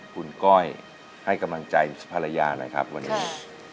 คุณก้อยให้กำลังใจภรรยาหน่อยครับวันนี้